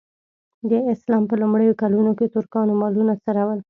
د اسلام په لومړیو کلونو کې ترکانو مالونه څرول.